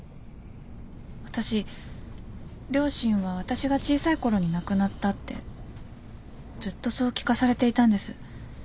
私両親は私が小さいころに亡くなったってずっとそう聞かされていたんです